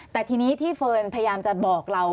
แต่ทีนี้ที่เฟิร์นพยายามจะบอกเรา